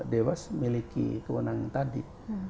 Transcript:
dewas miliki kewenangan tadi